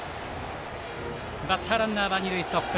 バッターランナーは二塁ストップ。